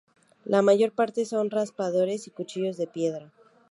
La mayor parte son raspadores y cuchillos de piedra.